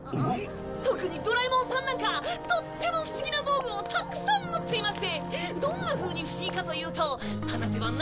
特にドラえもんさんなんかとっても不思議な道具をたくさん持っていましてどんなふうに不思議かというと話せば長くなりますが。